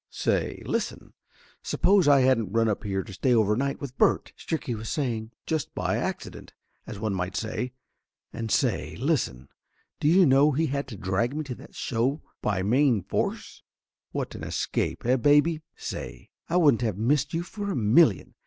"Say, listen, suppose I hadn't run up here to stay overnight with Bert!" Stricky was saying. "Just by accident, as one might say. And say, listen, do you know he had to drag me to that show by main force ? What an escape, eh, baby? Say, I wouldn't have missed you for a million!